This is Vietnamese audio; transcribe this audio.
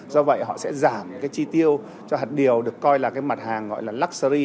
do vậy họ sẽ giảm cái chi tiêu cho hạt điều được coi là cái mặt hàng gọi là luxury